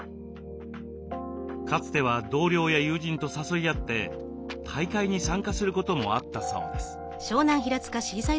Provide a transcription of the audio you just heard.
かつては同僚や友人と誘い合って大会に参加することもあったそうです。